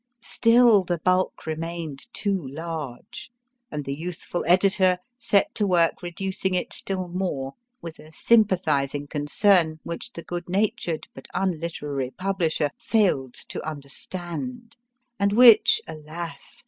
Still the bulk remained too large, and the youthful editor set to work reducing it still more with a sympathising concern which the good natured, but unliterary, publisher failed to under stand, and which, alas